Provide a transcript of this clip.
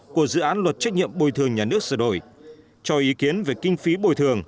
của dự án luật trách nhiệm bồi thường nhà nước sửa đổi cho ý kiến về kinh phí bồi thường